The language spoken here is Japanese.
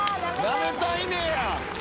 「なめたいねや」